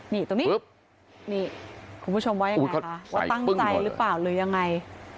นี่ตรงนี้นี่คุณผู้ชมว่ายังไงคะว่าตั้งใจหรือเปล่าหรือยังไง